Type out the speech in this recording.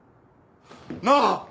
なあ！